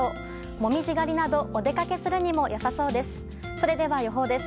モミジ狩りなどお出かけするにも良さそうです。